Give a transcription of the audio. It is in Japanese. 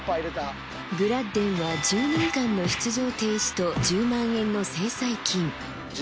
グラッデンは１２日間の出場停止と１０万円の制裁金。